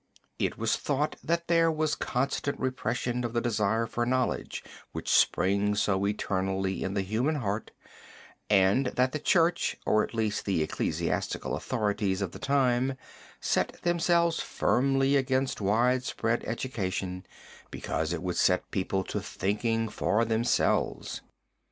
It was thought that there was constant repression of the desire for knowledge which springs so eternally in the human heart and that the Church, or at least the ecclesiastical authorities of the time, set themselves firmly against widespread education, because it would set people to thinking for themselves.